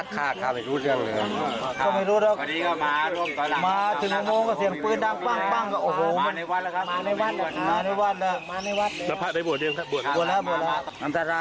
คุณไกรทนครับผู้สื่อข่าวของเราลงพื้นที่ไปนะฮะ